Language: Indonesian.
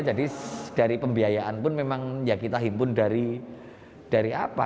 jadi dari pembiayaan pun memang ya kita himpun dari apa